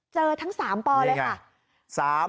ทั้ง๓ปเลยค่ะ